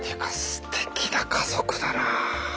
すてきな家族だな。